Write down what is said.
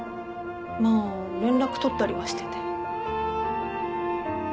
まあ連絡取ったりはしてて。